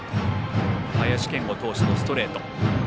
林謙吾投手のストレート。